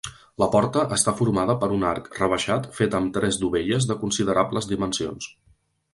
La porta està formada per un arc rebaixat fet amb tres dovelles de considerables dimensions.